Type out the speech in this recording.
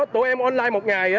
tụi em online một ngày